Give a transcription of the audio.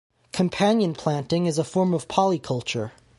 Companion planting is a form of polyculture.